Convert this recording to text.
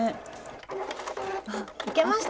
あっいけました！